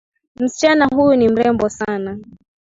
Msichana huyu ni mrembo sana.